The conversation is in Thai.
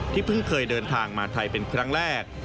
เพิ่งเคยเดินทางมาไทยเป็นครั้งแรก